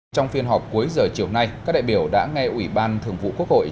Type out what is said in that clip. trong phiên họp cuối giờ chiều nay các đại biểu đã nghe ủy ban thường vụ quốc hội